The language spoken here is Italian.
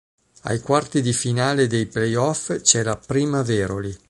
Ai quarti di finale dei play-off c'è la Prima Veroli.